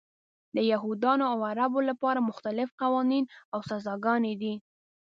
د یهودانو او عربو لپاره مختلف قوانین او سزاګانې دي.